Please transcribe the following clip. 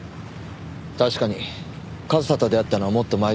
確かに和沙と出会ったのはもっと前ですよ。